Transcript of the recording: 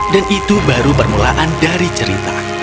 dan itu baru permulaan dari cerita